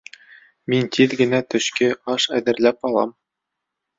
Мин тиҙ генә төшкө аш әҙерләп алам